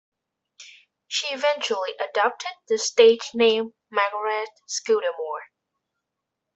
She eventually adopted the stage name Margaret Scudamore.